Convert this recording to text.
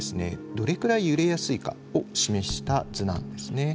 どれくらい揺れやすいかを示した図なんですね。